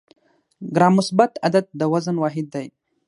ګرام مثبت عدد د وزن واحد دی.